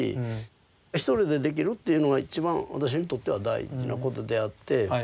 １人でできるっていうのがいちばん私にとっては大事なことであって。